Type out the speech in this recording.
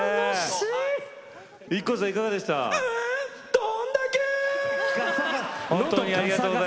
どんだけ！